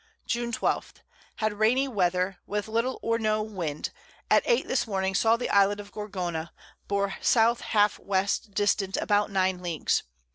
June 12. Had rainy Weather, with little or no Wind. At 8 this Morning saw the Island of Gorgona; bore S. half W. distant about 9 Leagues.